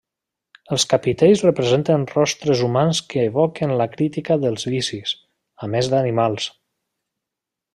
Els capitells representen rostres humans que evoquen la crítica dels vicis, a més d'animals.